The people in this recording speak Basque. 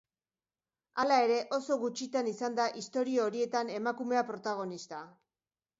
Hala ere, oso gutxitan izan da istorio horietan emakumea protagonista.